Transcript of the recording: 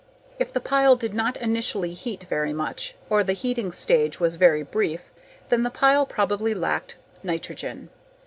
_ If the pile did not initially heat very much or the heating stage was very brief, then the pile probably lacked nitrogen.